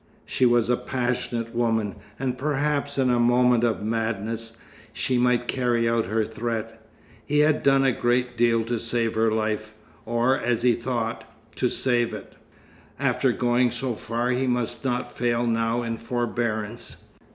She was a passionate woman, and perhaps in a moment of madness she might carry out her threat. He had done a great deal to save her life or, as he thought, to save it. After going so far he must not fail now in forbearance.